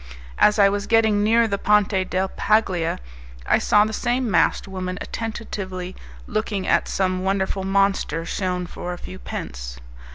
As I was getting near the Ponte del Paglia I saw the same masked woman attentively looking at some wonderful monster shewn for a few pence.